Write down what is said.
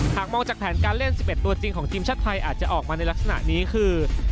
หากมองจากแผนการเล่น๑๑ตัวจริงของทีมชาติไทยอาจจะออกมาในลักษณะนี้คือ